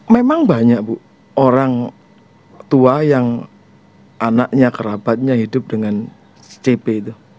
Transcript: memang banyak bu orang tua yang anaknya kerabatnya hidup dengan si cp itu